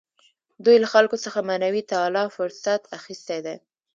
دوی له خلکو څخه معنوي تعالي فرصت اخیستی دی.